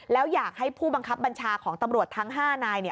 แล้วอยากให้ผู้บังคับบัญชาของตำรวจทั้ง๕นาย